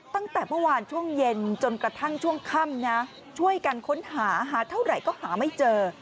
ตั้งแต่เมื่อวานช่วงเย็นจนกระทั่งช่วงค่ำนะช่วยกันค้นหาหาเท่าไหร่ก็หาไม่เจอ